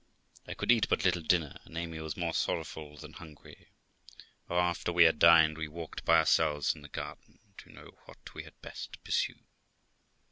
I could eat but little dinner, and Amy was more sorrowful than hungry, and after we had dined, we walked by ourselves in the garden, to know what we had best pursue.